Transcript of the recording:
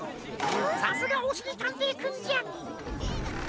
さすがおしりたんていくんじゃ！